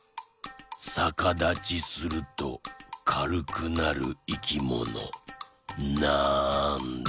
さかだちするとかるくなるいきものなんだ？